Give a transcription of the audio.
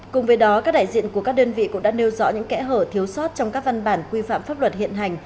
cùng với đó các đại diện của các đơn vị cũng đã nêu rõ những kẽ hở thiếu sót trong các văn bản quy phạm pháp luật hiện hành